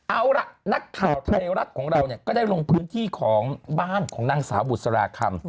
เอาล่ะนักข่าวไทยรัฐของเราเนี่ยก็ได้ลงพื้นที่ของบ้านของนางสาวบุษราคำ